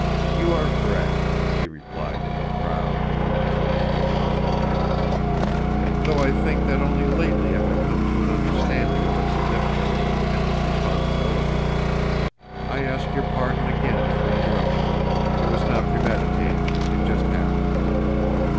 "You are correct," she replied with a proud, little tilt of her glossy head, "though I think that only lately have I come to an understanding of its significance—and its responsibility. I ask your pardon again for interrupting you. It was not premeditated. It just happened."